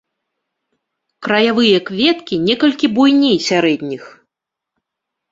Краявыя кветкі некалькі буйней сярэдніх.